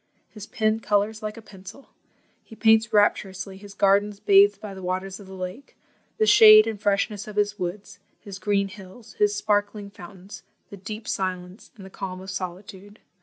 His pen colours like a pencil. He paints rapturously his gardens bathed by the waters of the lake, the shade and freshness of his woods, his green hills, his sparkling fountains, the deep silence, and the calm of solitude.